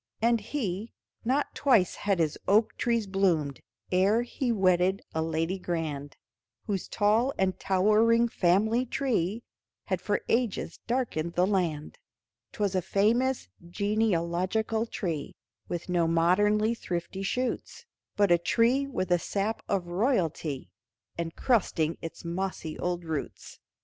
And he, not twice had his oak trees bloomed Ere he wedded a lady grand, Whose tall and towering family tree, Had for ages darkened the land; 'Twas a famous genealogical tree, With no modernly thrifty shoots, But a tree with a sap of royalty Encrusting its mossy old roots.